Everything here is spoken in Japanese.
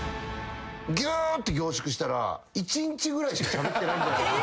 ぎゅーって凝縮したら１日ぐらいしかしゃべってないんじゃないか。